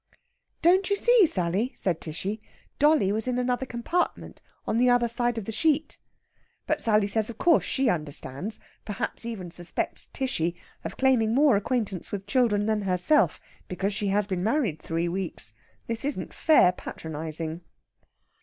"Don't you see, Sally," says Tishy, "dolly was in another compartment the other side of the sheet." But Sally says, of course, she understands, perhaps even suspects Tishy of claiming more acquaintance with children than herself because she has been married three weeks. This isn't fair patronising.